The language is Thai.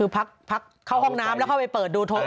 พักเข้าห้องน้ำไปเปิดดู